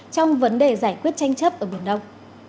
trong vấn đề giải quyết tranh chấp ở biển đông